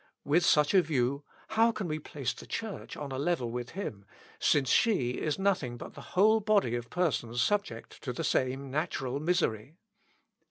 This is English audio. With such a view, how can we place the Church on a level with him, since she is nothing but the whole body of persons subject to the same natural misery?